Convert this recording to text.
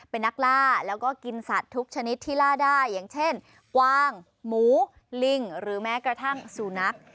เป็นนักล่าแล้วก็กินสัตว์ทุกชนิดที่ล่าได้อย่างเช่นกวางหมูลิงหรือแม้กระทั่งสูนัก